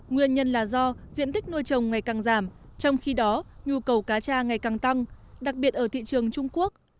nguyên nhân là do diện tích nuôi trồng ngày càng giảm trong khi đó nhu cầu cá cha ngày càng tăng đặc biệt ở thị trường trung quốc